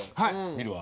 見るわ。